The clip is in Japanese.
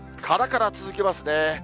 からから続きますね。